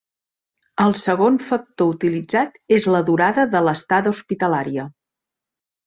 El segon factor utilitzat és la durada de l'estada hospitalària.